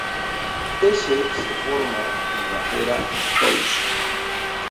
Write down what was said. S se formó en la Era Taishō.